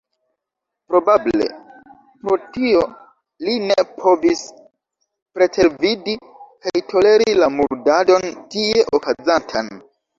Probable pro tio li ne povis pretervidi kaj toleri la murdadon tie okazantan.